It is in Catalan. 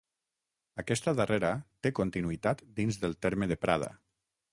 Aquesta darrera té continuïtat dins del terme de Prada.